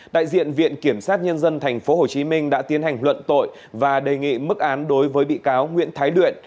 đại diện viện kiểm sát nhân dân tp hcm đã tiến hành luận tội và đề nghị mức án đối với bị cáo nguyễn thái luyện